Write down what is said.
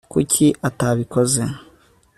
kuki utabikoze